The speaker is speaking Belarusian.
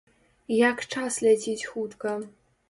Як час ляціць хутка!